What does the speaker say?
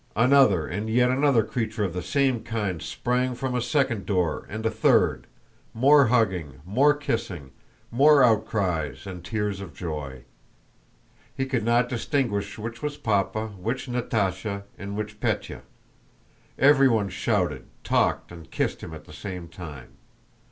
Another and yet another creature of the same kind sprang from a second door and a third; more hugging, more kissing, more outcries, and tears of joy. He could not distinguish which was Papa, which Natásha, and which Pétya. Everyone shouted, talked, and kissed him at the same time.